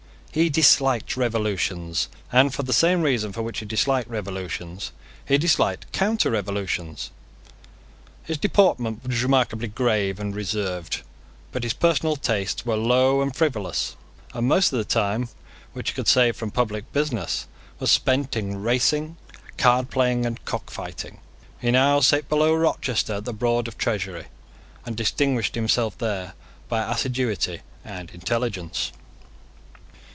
He disliked revolutions; and, for the same reason for which he disliked revolutions, he disliked counter revolutions. His deportment was remarkably grave and reserved: but his personal tastes were low and frivolous; and most of the time which he could save from public business was spent in racing, cardplaying, and cockfighting. He now sate below Rochester at the Board of Treasury, and distinguished himself there by assiduity and intelligence.